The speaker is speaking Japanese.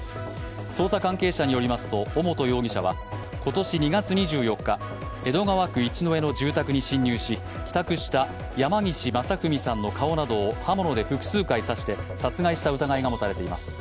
捜査関係者によりますと尾本容疑者は今年２月２４日江戸川区一之江の住宅に侵入し、帰宅した山岸正文さんの顔などを刃物で複数回刺して殺害した疑いが持たれています。